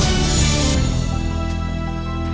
ครบ